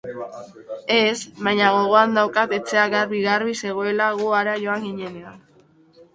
Ez, baina gogoan daukat etxea garbi-garbi zegoela gu hara joan ginenean.